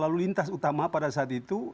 lalu lintas utama pada saat itu